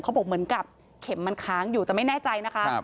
เขาบอกเหมือนกับเข็มมันค้างอยู่แต่ไม่แน่ใจนะคะ